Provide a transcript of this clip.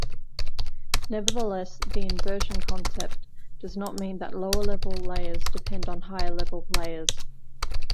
Nevertheless, the "inversion" concept does not mean that lower-level layers depend on higher-level layers.